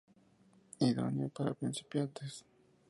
Idóneo para principiantes.